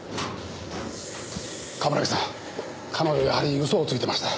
冠城さん彼女やはり嘘をついてました。